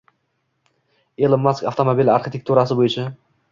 Ilon Mask avtomobil arxitekturasi bo‘yicha